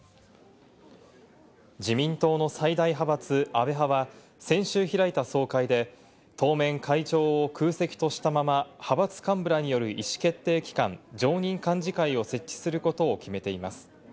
自民党の最大派閥・安倍派は、先週開いた総会で、当面会長を空席としたまま派閥幹部らによる意思決定機関、常任幹事会を設置することを決めています。